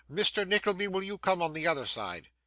Mr. Nickleby, will you come on the other side?